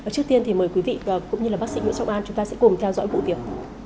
trước tiên thì mời quý vị cũng như là bác sĩ nguyễn trọng an chúng ta sẽ cùng theo dõi vụ việc